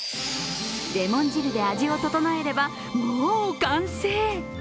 レモン汁で味を調えればもう完成。